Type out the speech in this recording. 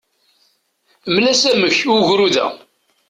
Mel-as amek i ugrud-a.